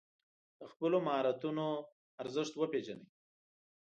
د خپلو مهارتونو ارزښت وپېژنئ.